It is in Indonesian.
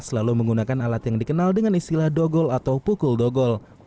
selalu menggunakan alat yang dikenal dengan istilah dogol atau pukul dogol